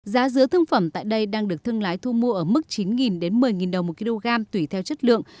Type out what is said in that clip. giá dứa thương phẩm tại đây đang được thương lái thu mua ở mức chín một mươi đồng một kg tùy theo chất lượng